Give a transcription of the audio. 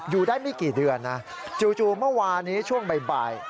อยู่ได้ไม่กี่เดือนนะจู่เมื่อวานี้ช่วงบ่าย